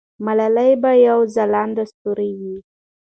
ملالۍ به یو ځلانده ستوری وي.